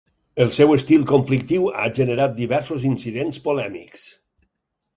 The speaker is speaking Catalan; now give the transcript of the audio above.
El seu estil conflictiu ha generat diversos incidents polèmics.